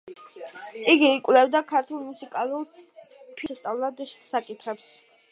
იგი იკვლევდა ქართული მუსიკალური ფოლკლორის ნაკლებად შესწავლილ საკითხებს.